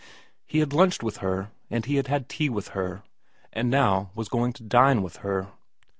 He had lunched with her, and had had tea with her, and now was going to dine with her.